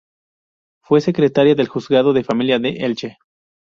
Fue secretaria del juzgado de familia de Elche.